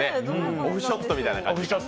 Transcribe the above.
オフショットみたいな。